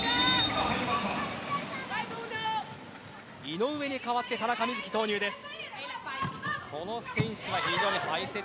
井上に代わって田中瑞稀、投入です。